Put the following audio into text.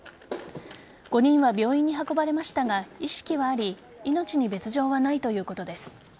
５人は病院に運ばれましたが意識はあり命に別条はないということです。